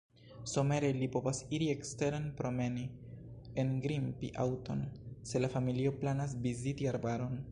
Somere ili povas iri eksteren promeni, engrimpi aŭton, se la familio planas viziti arbaron.